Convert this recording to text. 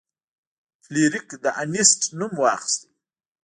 فلیریک د انیسټ نوم واخیست.